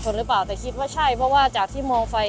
สวัสดีครับที่ได้รับความรักของคุณ